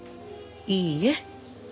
いいえ。